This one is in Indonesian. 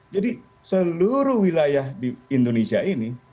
seluruh wilayah di indonesia ini